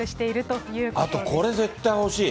あとこれ絶対欲しい。